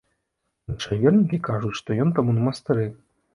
Іншыя вернікі кажуць, што ён там у манастыры.